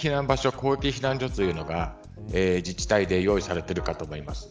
広域避難所というのが自治体で用意されているかと思います。